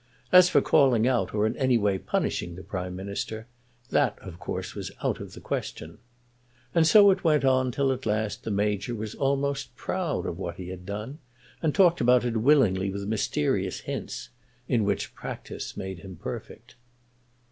As for calling out or in any way punishing the Prime Minister, that of course was out of the question. And so it went on till at last the Major was almost proud of what he had done, and talked about it willingly with mysterious hints, in which practice made him perfect.